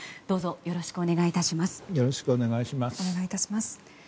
どうぞよろしくお願い致します。